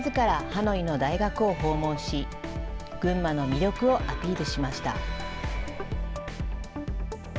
ハノイの大学を訪問し、群馬の魅力をアピールしました。